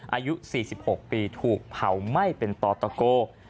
อายุ๔๖ปีถูกเผาไหม้เป็นต่อตะโก